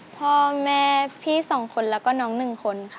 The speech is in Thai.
พ่อแม่พี่สองคนแล้วน้องหนึ่งคนค่ะ